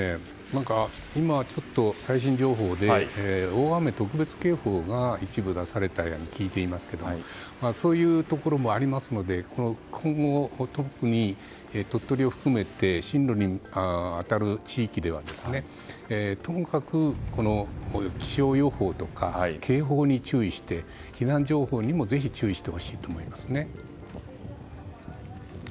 今、最新情報で大雨特別警報が一部出されたと聞いていますけどそういうところもありますので今後、特に鳥取を含めて進路に当たる地域ではともかく気象予報とか警報に注意して避難情報にもぜひ注意していただきたいと思います。